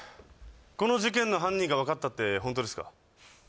この事件の犯人が分かったって本当ですか